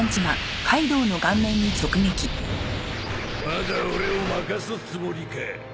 まだ俺を負かすつもりか。